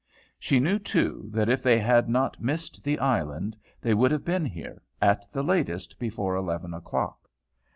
She knew, too, that if they had not missed the island, they would have been here, at the latest, before eleven o'clock.